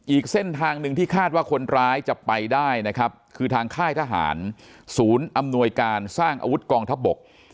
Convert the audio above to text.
อีกเส้นทางหนึ่งที่คาดว่าคนร้ายจะไปได้นะครับคือทางค่ายทหารศูนย์อำนวยการสร้างอาวุธกองทัพบก